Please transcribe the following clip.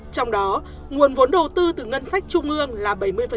trong đó nguồn vốn đầu tư từ ngân sách trung ương là bảy mươi